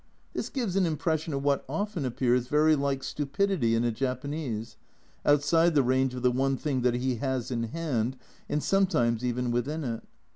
This gives an impression of what often appears very like stupidity in a Japanese, outside the range of the one thing that he has in hand, and sometimes even within it.